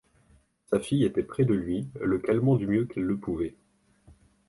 Sa fille était près de lui, le calmant du mieux qu’elle le pouvait.